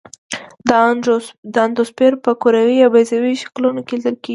دا اندوسپور په کروي یا بیضوي شکلونو لیدل کیږي.